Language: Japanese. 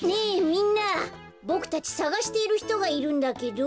みんなボクたちさがしているひとがいるんだけど。